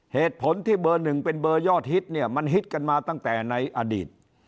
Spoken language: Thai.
เหตุผลที่เบอร์หนึ่งเป็นเบอร์ยอดฮิตเนี่ยมันฮิตกันมาตั้งแต่ในอดีต